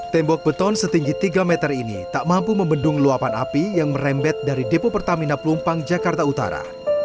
tembok beton setinggi tiga meter ini tak mampu membendung luapan api yang merembet dari depo pertamina pelumpang jakarta utara